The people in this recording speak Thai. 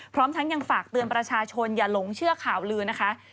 พร้อมทั้งยังฝากเตือนประชาชนอย่าหลงเชื่อข่าวลือนะคะ